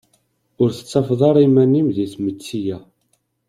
Ur tettafeḍ ara iman-im di tmetti-a.